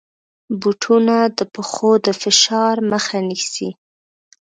بوټونه د پښو د فشار مخه نیسي.